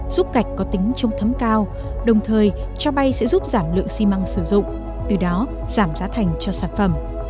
giúp gạch có tính trông thấm cao đồng thời cho bay sẽ giúp giảm lượng xi măng sử dụng từ đó giảm giá thành cho sản phẩm